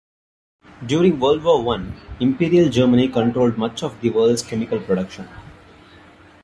During World War One, Imperial Germany controlled much of the world's chemical production.